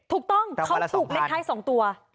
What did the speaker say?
ถูกต้องเค้าถูกเลขท้าย๒ตัว๐ตำรา๒๐๐๐